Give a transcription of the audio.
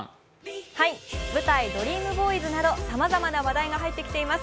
舞台「ＤＲＥＡＭＢＯＹＳ」などさまざまな話題が入ってきています。